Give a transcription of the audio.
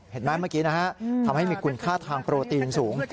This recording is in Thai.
เห็นไหมเมื่อกี้ทำให้มีคุณค่าทางโปรตีนสูง